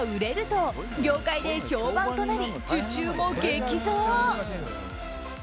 と業界で評判となり受注も激増。